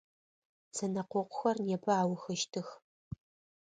Зэнэкъокъухэр непэ аухыщтых.